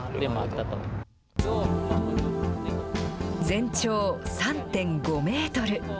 全長３．５メートル。